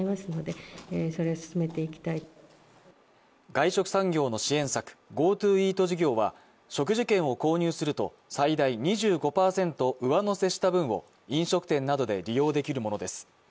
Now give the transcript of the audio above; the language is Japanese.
外食産業の支援策、ＧｏＴｏイート事業は食事券を購入すると最大２５％上乗せした分を飲食店などで利用できるものです。